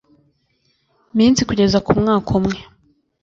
minsi kugeza ku mwaka umwe